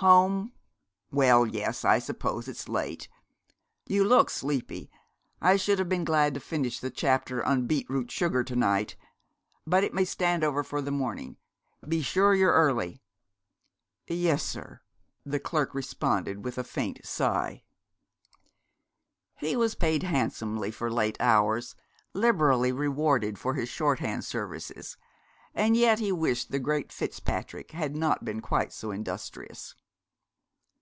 'Home well yes, I suppose it's late. You look sleepy. I should have been glad to finish the chapter on Beetroot Sugar to night but it may stand over for the morning. Be sure you're early.' 'Yes, sir,' the clerk responded with a faint sigh. He was paid handsomely for late hours, liberally rewarded for his shorthand services; and yet he wished the great Fitzpatrick had not been quite so industrious.